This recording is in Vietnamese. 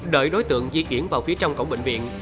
đợi đối tượng di chuyển vào phía trong cổng bệnh viện